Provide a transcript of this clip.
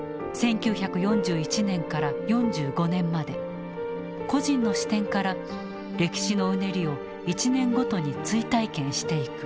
１９４１年から４５年まで個人の視点から歴史のうねりを１年ごとに追体験していく。